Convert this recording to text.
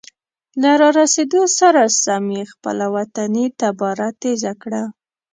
له را رسیدو سره سم یې خپله وطني تباره تیزه کړه.